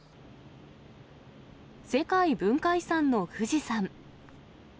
世界文化遺産の富士山。